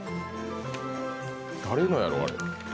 誰のやろ、あれ。